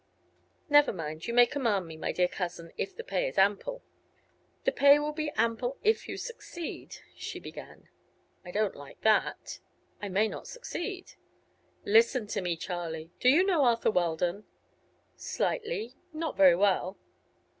Never mind; you may command me, my dear cousin if the pay is ample." "The pay will be ample if you succeed," she began. "I don't like that. I may not succeed." "Listen to me, Charlie. Do you know Arthur Weldon?" "Slightly; not very well."